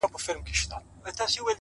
ائینه زړونه درواغ وایي چي نه مرو،